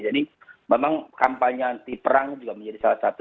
jadi memang kampanye anti perang juga menjadi salah satu